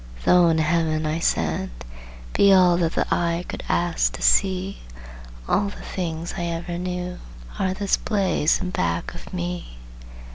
"Though in Heaven," I said, "be all That the eye could ask to see, All the things I ever knew Are this blaze in back of me."